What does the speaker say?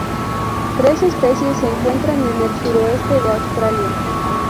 Tres especies se encuentran en el Suroeste de Australia.